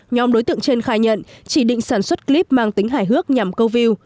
nhóm đối tượng trên khai nhận chỉ định sản xuất clip mang tính hải hước nhằm câu view